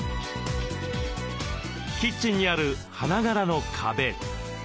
キッチンにある花柄の壁。